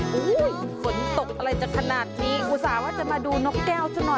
โอ้โหฝนตกอะไรจะขนาดนี้อุตส่าห์ว่าจะมาดูนกแก้วซะหน่อย